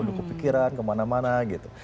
lukuk pikiran kemana mana gitu